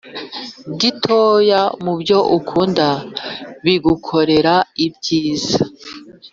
gitoya mubyo ukunda bigukorera ibyiza